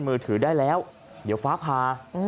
มือถือได้แล้วเดี๋ยวฟ้าพา